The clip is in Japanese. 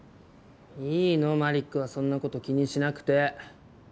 いいのマリックはそんなこと気にしなくて！